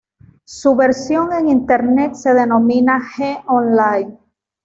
Su versión en Internet se denomina G Online.